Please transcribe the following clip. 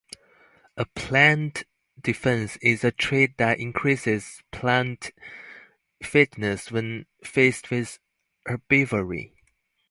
A plant defense is a trait that increases plant fitness when faced with herbivory.